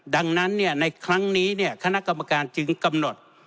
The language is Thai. ดังนั้นในครั้งนี้คณะกรรมการจึงกำหนด